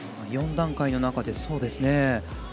４段階の中で、そうですね。